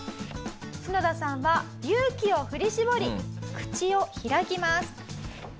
シノダさんは勇気を振り絞り口を開きます。